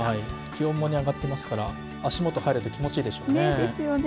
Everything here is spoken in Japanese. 気温も上がっていますから晴れると気持ちですね。